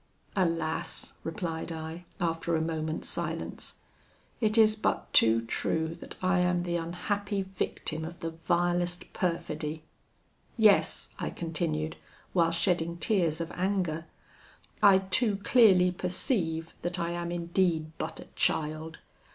'Alas!' replied I, after a moment's silence, 'it is but too true that I am the unhappy victim of the vilest perfidy. Yes,' I continued, while shedding tears of anger, 'I too clearly perceive that I am indeed but a child.